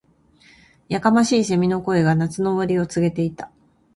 •やかましい蝉の声が、夏の終わりを告げていた。